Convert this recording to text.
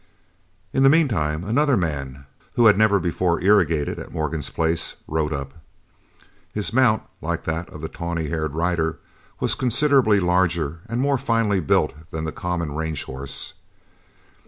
In the meantime another man who had never before "irrigated" at Morgan's place, rode up. His mount, like that of the tawny haired rider, was considerably larger and more finely built than the common range horse.